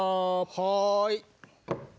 はい。